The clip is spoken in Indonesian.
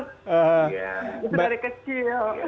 itu dari kecil